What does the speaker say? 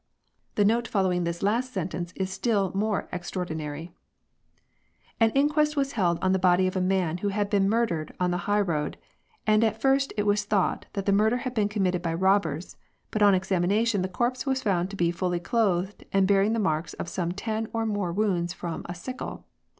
INQUESTS. i8i The note following this last sentence is still more extraordinary :— "An inquest was held on the body of a man who had been murdered on the high road, and at first it was thought that the murder had been committed by robbers, but on examination the corpse was found to be fully clothed and bearing the marks of some ten or more wounds from a sickle.